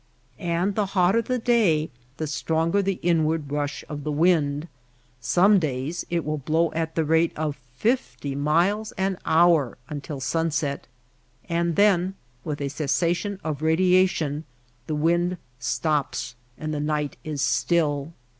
And the hotter the day the stronger the inward rush of the wind. Some days it will blow at the rate of fifty miles an hour until sunset, and then with a cessation of radiation the wind stops and the night is still.